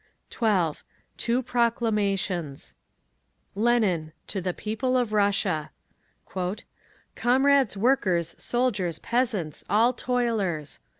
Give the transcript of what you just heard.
_ 12. TWO PROCLAMATIONS Lenin, To the People of Russia: "Comrades workers, soldiers, peasants—all toilers!